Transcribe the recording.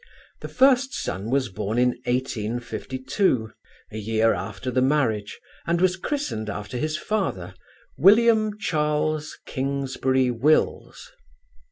The first son was born in 1852, a year after the marriage, and was christened after his father William Charles Kingsbury Wills.